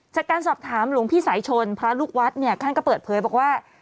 จากการสอบถามหลวงพี่สายชนพระลูกวัดเนี่ยท่านก็เปิดเผยบอกว่า